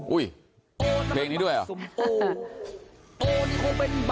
อุ้ยเพลงนี้ด้วยเหรอ